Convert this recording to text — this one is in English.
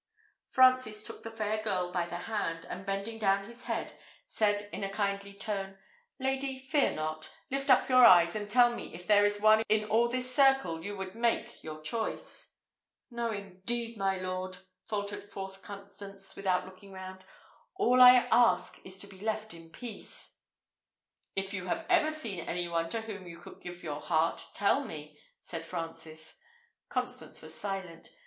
Francis took the fair girl by the hand, and bending down his head, said in a kindly tone, "Lady, fear not. Lift up your eyes, and tell me if there is one in all this circle you would make your choice." "No, indeed, my lord," faltered forth Constance, without looking round; "all I ask is to be left in peace." "If you have ever seen any one to whom you could give your heart, tell me," said Francis. Constance was silent.